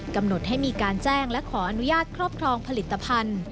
กำหนดให้มีการแจ้งและขออนุญาตครอบครองผลิตภัณฑ์